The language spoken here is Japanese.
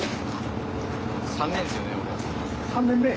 ３年目っすよね。